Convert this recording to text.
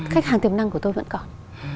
khách hàng tiềm năng của tôi vẫn còn